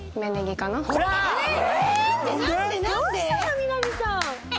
みな実さん。